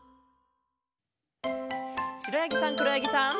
しろやぎさんくろやぎさん。